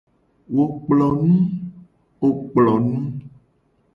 Wo kplo nu.